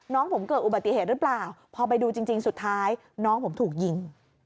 น้องผมเกิดอุบัติเหตุหรือเปล่าพอไปดูจริงสุดท้ายน้องผมถูกยิง